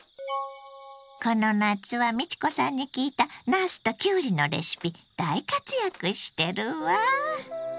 この夏は美智子さんに聞いたなすときゅうりのレシピ大活躍してるわ。